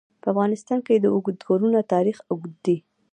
په افغانستان کې د اوږده غرونه تاریخ اوږد دی.